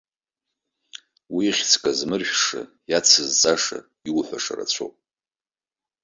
Уи ихьӡ казмыршәша, иацызҵаша, иуҳәаша рацәоуп.